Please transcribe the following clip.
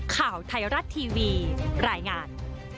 ข่าวไทยรัฐทีวีรายงาน